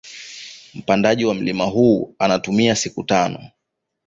Mpandaji wa mlima huu anatumia siku tano